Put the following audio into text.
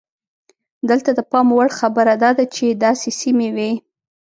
دلته د پام وړ خبره دا ده چې داسې سیمې وې.